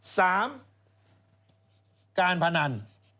สามการพนัน